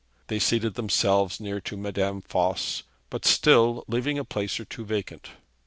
They seated themselves near to Madame Voss, but still leaving a place or two vacant.